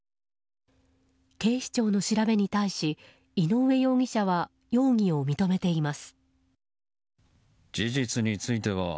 警視庁の調べに対し井上容疑者は容疑を認めています。